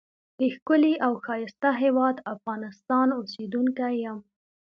دښکلی او ښایسته هیواد افغانستان اوسیدونکی یم.